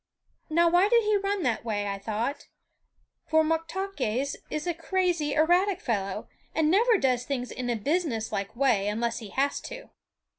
Now why did he run that way, I thought; for Moktaques is a crazy, erratic fellow, and never does things in a businesslike way unless he has to.